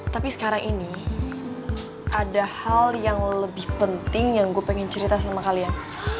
tapi sekarang ini ada hal yang lebih penting yang gue pengen cerita sama kalian